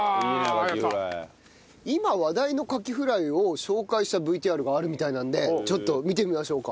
今話題のカキフライを紹介したＶＴＲがあるみたいなんでちょっと見てみましょうか。